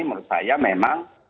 menurut saya memang